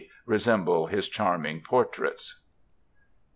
resemble his charming portraits.